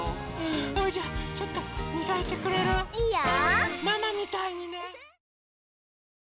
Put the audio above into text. それじゃちょっとみがいてくれる？いいよ！